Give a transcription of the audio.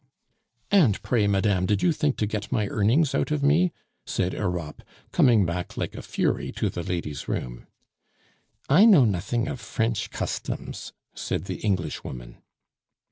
"And pray, madame, did you think to get my earnings out of me?" said Europe, coming back like a fury to the lady's room. "I know nothing of French customs," said the Englishwoman.